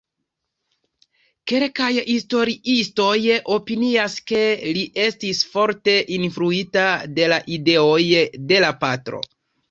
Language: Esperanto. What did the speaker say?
Kelkaj historiistoj opinias, ke li estis forte influita de la ideoj de la patro.